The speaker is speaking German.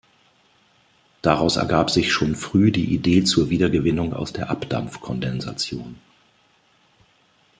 Daraus ergab sich schon früh die Idee zur Wiedergewinnung aus der Abdampf-Kondensation.